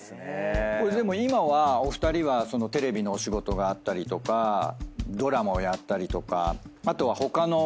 でも今はお二人はテレビのお仕事があったりとかドラマをやったりとかあとは他の劇団の舞台に出たりとか。